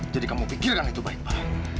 jadi kamu pikirkan itu baik pa